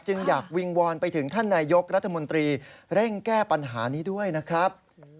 อยากวิงวอนไปถึงท่านนายกรัฐมนตรีเร่งแก้ปัญหานี้ด้วยนะครับ